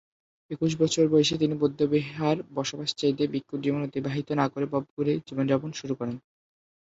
একুশ বছর বয়সে তিনি বৌদ্ধবিহারে বসবাস ছেড়ে দিয়ে ভিক্ষুর জীবন অতিবাহিত না করে ভবঘুরে জীবন যাপন শুরু করেন।